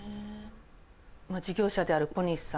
事業者である小西さん。